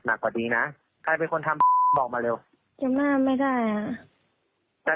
นี่น้องมือกัน